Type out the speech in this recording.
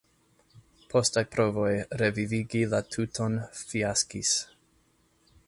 Postaj provoj revivigi la tuton fiaskis.